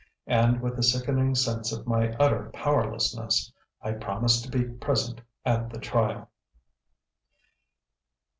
And, with a sickening sense of my utter powerlessness, I promised to be present at the trial.